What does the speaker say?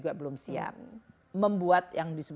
kita bisa mengurangi